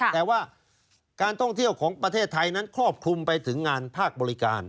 แต่ว่าการท่องเที่ยวของประเทศไทยนั้นครอบคลุมไปถึงงานภาคบริการ